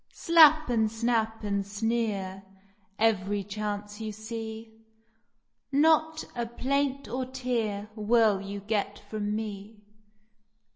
Slap and snap and sneer Every chance you see. Not a plaint or tear Will you get from me.